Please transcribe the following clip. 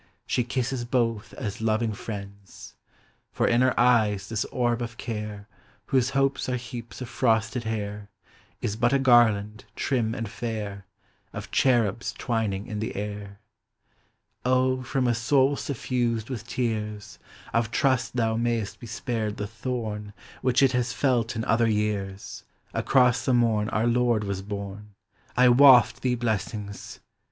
She kisses both as loving friends; For in her eyes this orb of care, Whose hopes are heaps of frosted hair, Is but a garland, trim and fair. Of cherubs twining in the air. »(), from a soul sun used with tears Of trust thou mayst be spared the thorn Which it has felt in other years,— Across t he morn our Lord was born, I waft thee blessings!